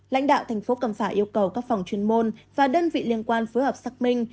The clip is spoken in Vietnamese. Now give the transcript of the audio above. lãnh đạo thành phố cẩm phả yêu cầu các phòng chuyên môn và đơn vị liên quan phối hợp xác minh